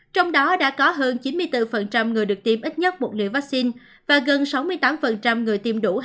trong đó đã có hơn chín mươi bốn người được tiêm ít nhất một liều vaccine và gần sáu mươi tám người tiêm đủ